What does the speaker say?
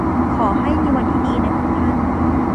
ขอให้มีวันที่ดีนะครับท่าน